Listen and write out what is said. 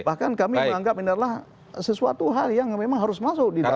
bahkan kami menganggap inilah sesuatu hal yang memang harus masuk di dalam kuhp